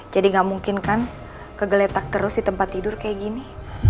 jadi gak mungkin kan kegeletak terus di tempat tidur kayak gini